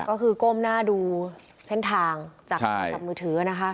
ก็คือก้มหน้าดูเส้นทางจากมือถือนะคะ